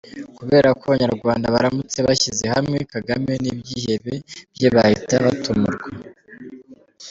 Kubera ko abanyarwanda baramutse bashyize hamwe, Kagame n’ibyihebe bye bahita batumurwa!